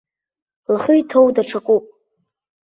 Лхы иҭоу даҽакуп.